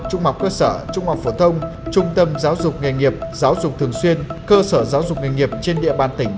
trung học cơ sở trung học phổ thông trung tâm giáo dục nghề nghiệp giáo dục thường xuyên cơ sở giáo dục nghề nghiệp trên địa bàn tỉnh